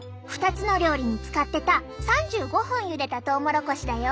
２つの料理に使ってた３５分ゆでたトウモロコシだよ。